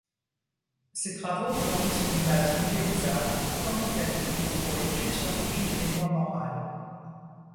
Ces travaux fournissent une base modélisable, quantitative, pour l'étude scientifique des lois morales.